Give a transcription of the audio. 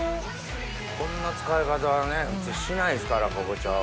こんな使い方は普通しないですからかぼちゃを。